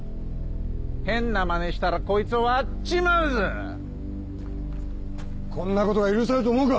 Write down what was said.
変なマネしたらこいつを割っちまうぞこんなことが許されると思うか？